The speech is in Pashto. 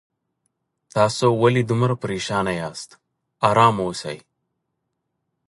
تاسو ولې دومره پریشان یاست آرام اوسئ